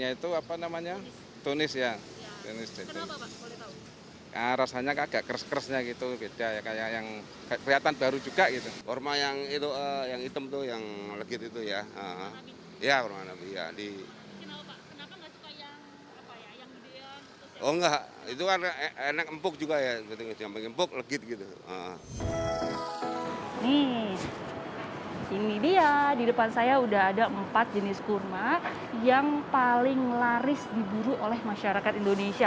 ini dia di depan saya sudah ada empat jenis kurma yang paling laris diburu oleh masyarakat indonesia